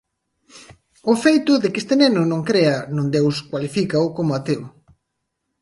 O feito de que este neno non crea nun deus cualifícao como ateo».